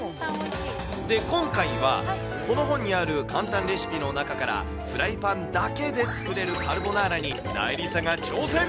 で、今回は、この本にある簡単レシピの中から、フライパンだけで作れるカルボナーラに、なえりさが挑戦。